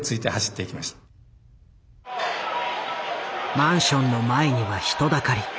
マンションの前には人だかり。